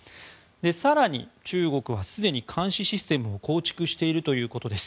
更に、中国はすでに監視システムを構築しているということです。